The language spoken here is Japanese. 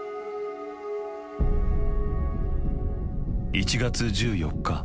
１月１４日